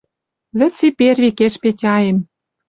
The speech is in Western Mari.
Вӹц и перви кеш Петяэм —